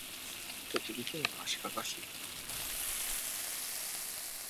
栃木県足利市